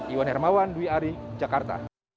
iwan hermawan dwi ari jakarta